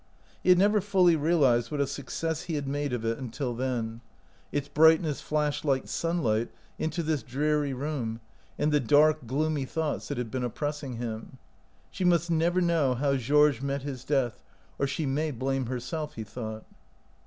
He had never fully realized what a success he had made of it 154 OUT OF BOHEMIA until then. Its brightness flashed like sun light into this dreary room and the dark, gloomy thoughts that had been oppressing him. She must never know how Georges met his death, or she may blame herself, he thought.